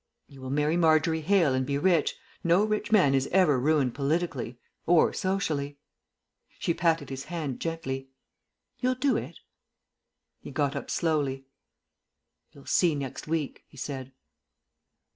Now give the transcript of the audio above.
"You will marry Marjorie Hale and be rich. No rich man is ever ruined politically. Or socially." She patted his hand gently. "You'll do it?" He got up slowly. "You'll see next week," he said.